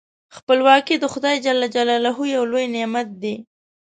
خپلواکي د خدای جل جلاله یو لوی نعمت دی.